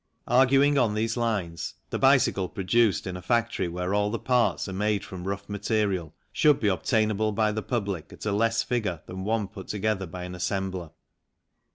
91 92 THE CYCLE INDUSTRY Arguing on these lines, the bicycle produced in a factory where all the parts are made from rough material should be obtainable by the public at a less figure than one put together by an assembler.